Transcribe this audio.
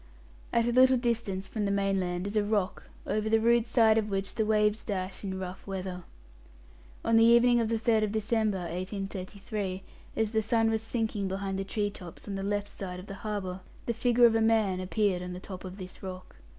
At a little distance from the mainland is a rock, over the rude side of which the waves dash in rough weather. On the evening of the 3rd December, 1833, as the sun was sinking behind the tree tops on the left side of the harbour, the figure of a man appeared on the top of this rock.